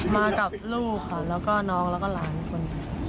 มากับลูกค่ะแล้วก็น้องแล้วก็หลานคน